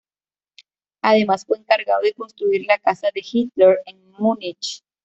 Además, fue encargado de construir la casa de Hitler en Múnich.